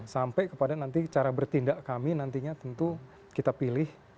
sampai kepada nanti cara bertindak kami nantinya tentu kita pilih